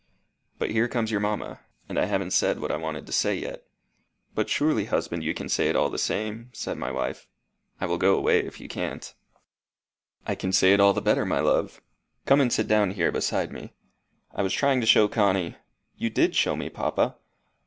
But here comes your mamma; and I haven't said what I wanted to say yet." "But surely, husband, you can say it all the same," said my wife. "I will go away if you can't." "I can say it all the better, my love. Come and sit down here beside me. I was trying to show Connie " "You did show me, papa."